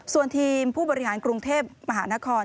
ส่วนทีมผู้บริหารกรุงเทพมหานคร